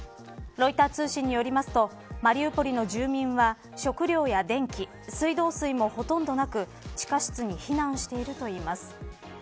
ロイター通信によりますとマリウポリの住民は食料や電気水道水もほとんどなく地下室に避難しているといいます。